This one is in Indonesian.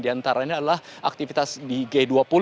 di antaranya adalah aktivitas di g dua puluh